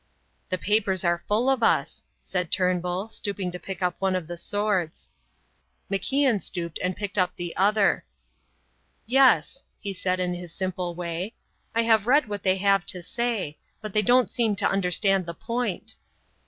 "The papers are full of us," said Turnbull, stooping to pick up one of the swords. MacIan stooped and picked up the other. "Yes," he said, in his simple way. "I have read what they have to say. But they don't seem to understand the point."